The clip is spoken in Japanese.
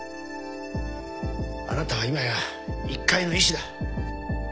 あなたは今や一介の医師だ。